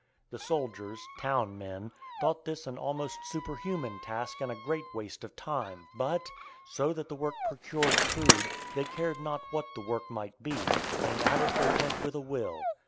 The soldiers town men thought this an almost superhuman task and a great waste of time, but, so that the work procured food, they cared not what the work might be, and at it they went with a will.